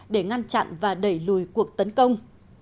để ngăn chặn và đẩy lùi cuộc tấn công